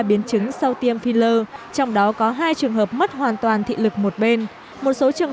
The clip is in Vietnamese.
biến chứng sau tiêm filler trong đó có hai trường hợp mất hoàn toàn thị lực một bên một số trường